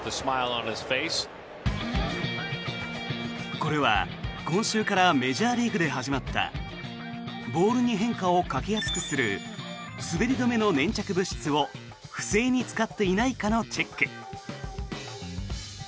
これは今週からメジャーリーグで始まったボールに変化をかけやすくする滑り止めの粘着物質を不正に使っていないかのチェック。